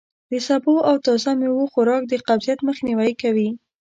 د سبو او تازه میوو خوراک د قبضیت مخنوی کوي.